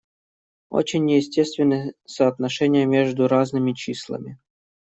Очень неестественны соотношения между разными числами.